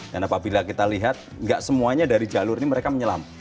dan apabila kita lihat tidak semuanya dari jalur ini mereka menyelam